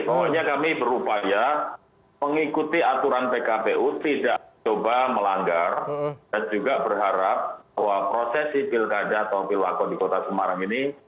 pokoknya kami berupaya mengikuti aturan pkpu tidak coba melanggar dan juga berharap proses sivil kada atau pil wakil di kota semarang ini